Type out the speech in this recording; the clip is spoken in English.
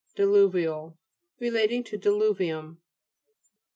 DILU'VIAL Relating to dilu'vium.